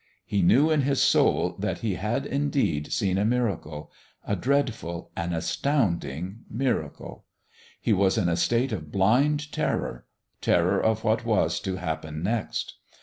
He knew in his soul that he had, indeed, seen a miracle a dreadful, an astounding miracle! He was in a state of blind terror terror of what was to happen next.